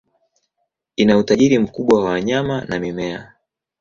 Ina utajiri mkubwa wa wanyama na mimea.